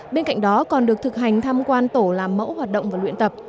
bên cạnh đó còn được thực hành tham quan tổ làm mẫu hoạt động và luyện tập